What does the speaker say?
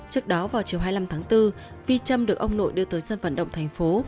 trước đó vào chiều hai mươi năm tháng bốn vi trâm được ông nội đưa tới sân vận động thành phố